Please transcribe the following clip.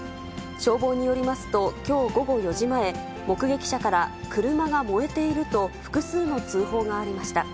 消防によりますと、きょう午後４時前、目撃者から、車が燃えていると、複数の通報がありました。